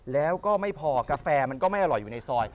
แล้วก็ไม่พอกาแฟมันก็ไม่อร่อยอยู่ในซอย